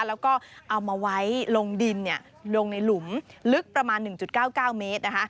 แล้วก็เอามาไว้ลงดินลงในหลุมลึกประมาณ๑๙๙เมตรนะคะ